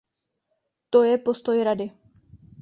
To je postoj Rady.